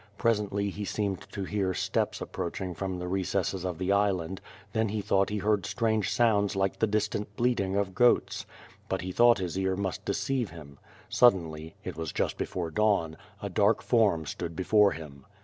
Presently he seemed to hear steps approaching from the recesses of the island; then he thought he heard strange sounds like the dis tant bleating of goats. But he thought his ear must deceive him. Suddenly — it was just before dawn — a dark form stood before him.